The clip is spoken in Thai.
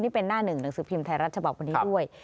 นี่เป็นหน้าหนึ่งหนังสือพิมพ์ไทยรัฐฉบับวันนี้ด้วย